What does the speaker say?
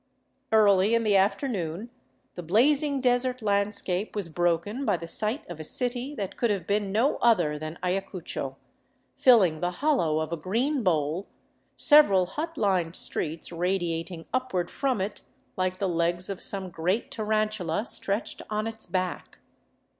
Early in the afternoon the blazing desert landscape was broken by the sight of a city that could have been no other than Ayacucho, filling the hollow of a green bowl, several hut lined streets radiating upward from it, like the legs of some great tarantula stretched on its back.